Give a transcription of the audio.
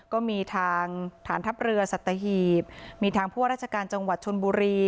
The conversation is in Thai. ก็มีทางฐานทัพเรือสัตหีบมีทางผู้ว่าราชการจังหวัดชนบุรี